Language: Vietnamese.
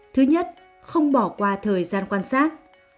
thứ nhất không bỏ qua thời gian quan sát